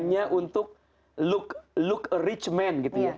hanya untuk look rich man gitu ya